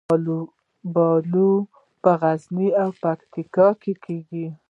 الوبالو په غزني او پکتیکا کې کیږي